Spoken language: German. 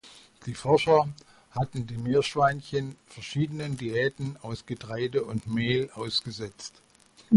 Die Forscher hatten die Meerschweinchen verschiedenen Diäten aus Getreide und Mehl ausgesetzt.